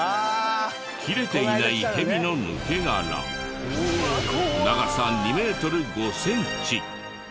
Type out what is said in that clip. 切れていないヘビの抜け殻長さ２メートル５センチ。